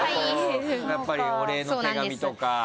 やっぱりお礼の手紙とか。